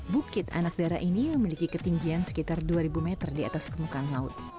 bukit anak darah ini memiliki ketinggian sekitar dua ribu meter di atas permukaan laut